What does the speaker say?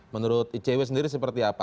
menurut icw sendiri seperti apa